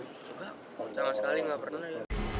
juga sama sekali nggak pernah